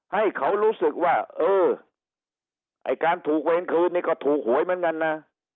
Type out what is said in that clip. ให้เขารู้สึกว่าเออไอ้การถูกเวรคืนนี่ก็ถูกหวยเหมือนกันนะ